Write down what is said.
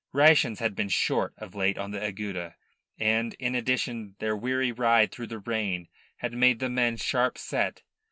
Rations had been short of late on the Agueda, and, in addition, their weary ride through the rain had made the men sharp set.